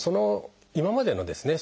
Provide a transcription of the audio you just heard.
今までのですね